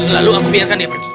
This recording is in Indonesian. lalu aku biarkan dia pergi